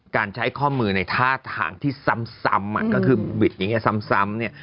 การใช้ข้อมือในท่าทางที่ซ้ำก็คือบิดอย่างนี้ซ้ำเนี่ย